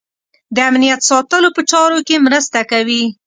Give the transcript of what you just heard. د امنیت ساتلو په چارو کې مرسته کوي.